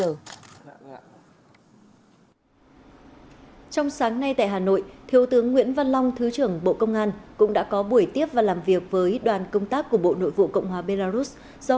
trong sáng nay tại hà nội thiếu tướng nguyễn văn long thứ trưởng bộ công an cũng đã có buổi tiếp và làm việc với đoàn công tác của bộ nội vụ cộng hòa belarus